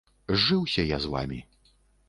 Зжыўся я з вамі.